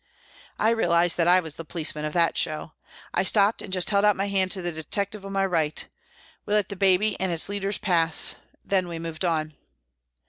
I realised that I was the policeman of that show. I stopped and just held out my hand to the detective on my right. We let the baby and its leaders pass, then we moved on.